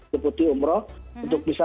deputi umroh untuk bisa